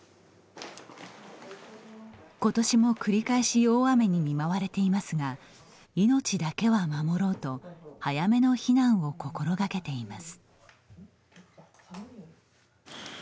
ことしも繰り返し大雨に見舞われていますが命だけは守ろうと早めの避難を心がけています。